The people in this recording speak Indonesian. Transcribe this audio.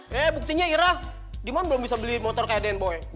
yee buktinya irah diman belum bisa beli motor kayak den boy